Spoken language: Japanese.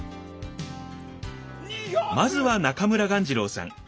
まずは中村鴈治郎さん。